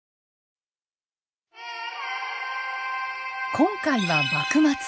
今回は「幕末」。